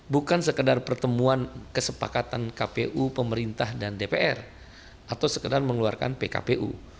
bukan sekedar pertemuan kesepakatan kpu pemerintah dan dpr atau sekedar mengeluarkan pkpu